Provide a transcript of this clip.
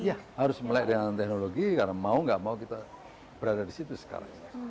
iya harus melek dengan teknologi karena mau gak mau kita berada di situ sekarang